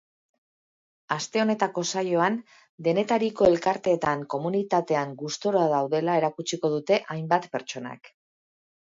Aste honetako saioan, denetariko elkarteetan komunitatean gustura daudela erakutsiko dute hainbat pertsonak.